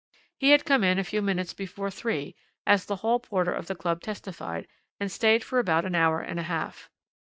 He had come in a few minutes before three as the hall porter of the Club testified and stayed for about an hour and a half.